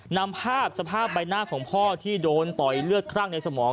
นำภาพสภาพใบหน้าของพ่อที่โดนต่อยเลือดคลั่งในสมอง